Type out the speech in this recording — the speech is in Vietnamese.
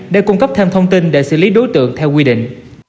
để cung cấp thêm thông tin để xử lý đối tượng theo quy định